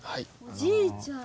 おじいちゃん。